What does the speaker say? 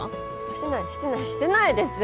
してないしてないしてないです！